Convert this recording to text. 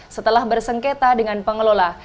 setelah bersengketa dengan pengelola